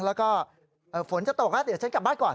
แล้วก็ฝนจะตกแล้วเดี๋ยวฉันกลับบ้านก่อน